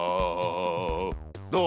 どう？